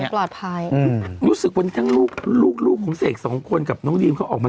ปลอดภัยอืมรู้สึกวันนี้ทั้งลูกลูกของเสกสองคนกับน้องดีมเขาออกมา